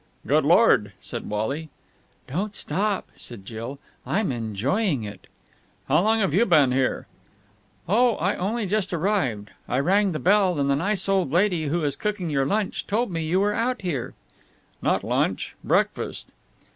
"Good Lord!" said Wally. "Don't stop," said Jill. "I'm enjoying it.' "How long have you been here?" "Oh, I only just arrived. I rang the bell, and the nice old lady who is cooking your lunch told me you were out here.' "Not lunch. Breakfast."